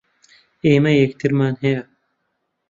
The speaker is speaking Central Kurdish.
ئێمە یەکترمان ھەیە.